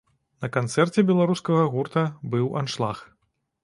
На канцэрце беларускага гурта быў аншлаг.